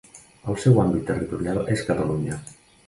El seu àmbit territorial és Catalunya.